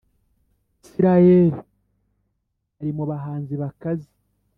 Israel ari mubahanzi bakaze